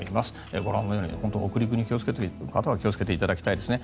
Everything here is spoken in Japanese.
ご覧のように北陸の方は気をつけていただきたいですね。